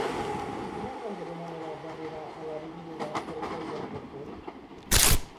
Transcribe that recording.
Quina és la millor manera d'arribar a l'avinguda del Coll del Portell?